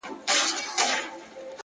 هغه به څرنګه بلا وویني؛